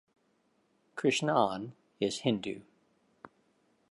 Krishnan is Hindu.